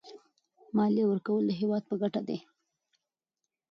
مالیه ورکول د هېواد په ګټه دي.